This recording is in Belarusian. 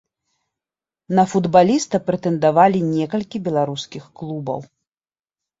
На футбаліста прэтэндавалі некалькі беларускіх клубаў.